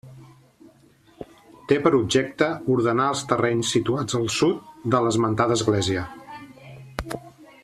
Té per objecte ordenar els terrenys situats al sud de l'esmentada església.